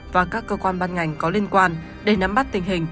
và các cơ quan ban ngành có liên quan để nắm bắt tình hình